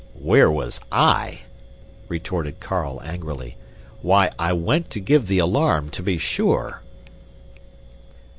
"Where was I?" retorted Carl angrily. "Why, I went to give the alarm, to be sure!"